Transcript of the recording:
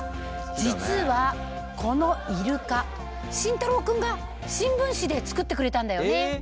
実はこのイルカしんたろう君が新聞紙で作ってくれたんだよね？